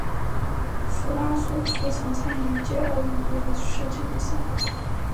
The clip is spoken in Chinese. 弗拉索夫曾参与一届奥运会的射击比赛。